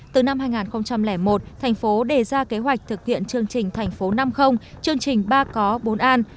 từ năm hai nghìn một thành phố đề ra kế hoạch thực hiện chương trình thành phố năm chương trình ba có bốn an